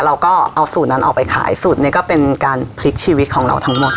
เราก็เอาสูตรนั้นออกไปขายสูตรนี้ก็เป็นการพลิกชีวิตของเราทั้งหมด